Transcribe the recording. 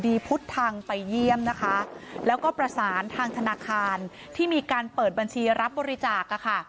พุทธทางไปเยี่ยมนะคะแล้วก็ประสานทางธนาคารที่มีการเปิดบัญชีรับบริจาค